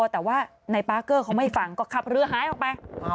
แต่ว่าในปาร์เกอร์เขาไม่ฟังก็ขับเรือหายออกไป